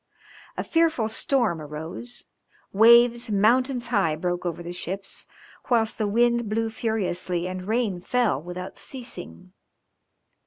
A fearful storm arose, waves mountains high broke over the ships, whilst the wind blew furiously and rain fell without ceasing.